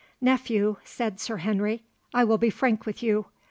"Nephew," said Sir Henry, "I will be frank with you.